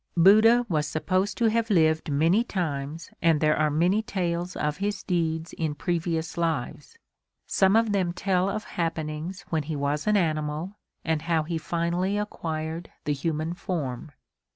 Buddha was supposed to have lived many times and there are many tales of his deeds in previous lives. Some of them tell of happenings when he was an animal and how he finally acquired the human form.